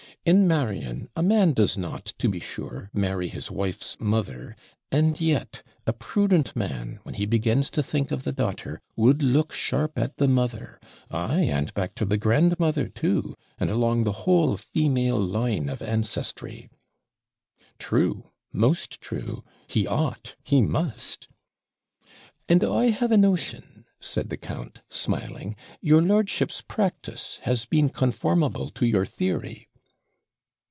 In marrying, a man does not, to be sure, marry his wife's mother; and yet a prudent man, when he begins to think of the daughter, would look sharp at the mother; ay, and back to the grandmother too, and along the whole female line of ancestry.' 'True most true he ought he must.' 'And I have a notion,' said the count, smiling, 'your lordship's practice has been conformable to your theory.'